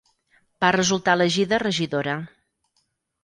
Va resultar elegida regidora.